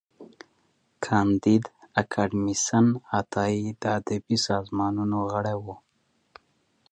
کانديد اکاډميسن عطايي د ادبي سازمانونو غړی و.